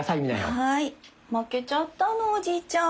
負けちゃったのおじいちゃん。